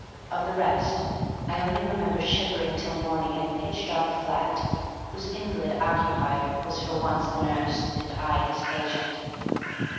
Of the rest, I only remember shivering till morning in a pitch dark flat, whose invalid occupier was for once the nurse, and I his patient.